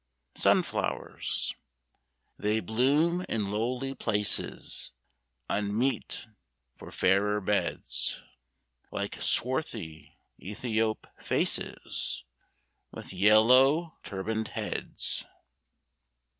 Sunflowers They bloom in lowly places Unmeet for fairer beds Like swarthy Ethiop faces With yellow turbaned heads.